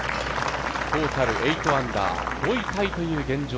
トータル８アンダー、５位タイという現状。